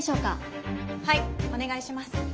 はいお願いします。